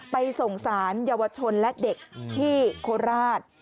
ไปส่งสารเยาวชนและเด็กที่โคราช